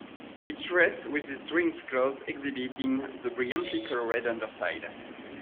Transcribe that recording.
It rests with its wings closed exhibiting the brilliantly coloured underside.